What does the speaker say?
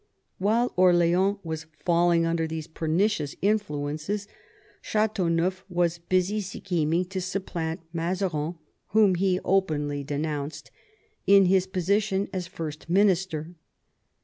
While Orleans was falling under these pernicious influences, Chateauneuf was busy scheming to supplant Mazarin — whom he openly denounced — in his position as First Minister.